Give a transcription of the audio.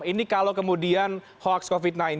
ini kalau kemudian hoax covid sembilan belas